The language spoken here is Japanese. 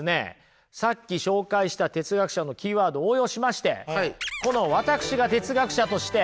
さっき紹介した哲学者のキーワードを応用しましてこの私が哲学者として。